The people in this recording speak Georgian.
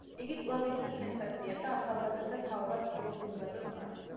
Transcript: იგი კვლავ იქცა სენსაციად და ახალგაზრდა თაობა ცდილობს მიბაძოს მას.